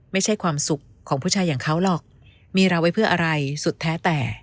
ไม่ใช่ความสุขของผู้ชายอย่างเขาหรอกมีเราไว้เพื่ออะไรสุดแท้แต่